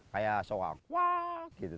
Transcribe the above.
kayak soal wah gitu